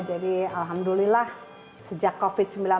jadi alhamdulillah sejak covid sembilan belas